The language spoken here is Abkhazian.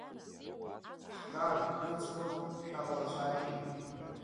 Ҳҿар рыӡбахә шәалацәажәеит…